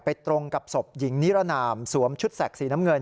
ตรงกับศพหญิงนิรนามสวมชุดแสกสีน้ำเงิน